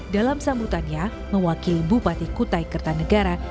dalam sambutannya mewakili bupati kutai kertanegara